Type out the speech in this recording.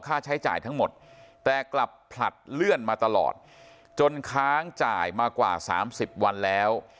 ค่าใช้จ่ายทั้งหมดแต่กลับผลัดเลื่อนมาตลอดจนค้างจ่ายมากว่า๓๐วันแล้ว